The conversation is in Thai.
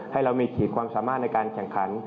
ให้เรามีขีดความสามารถในการแข่งขัน